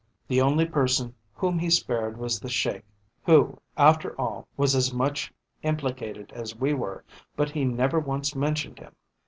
The only person whom he spared was the Sheik; who after all was as much implicated as we were, but he never once mentioned him.